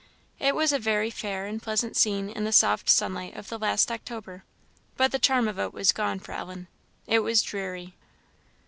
It was a very fair and pleasant scene in the soft sunlight of the last of October; but the charm of it was gone for Ellen; it was dreary.